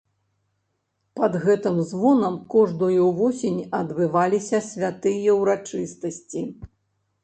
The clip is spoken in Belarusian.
Пад гэтым звонам кожную восень адбываліся святыя ўрачыстасці.